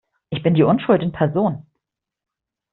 Ich bin die Unschuld in Person!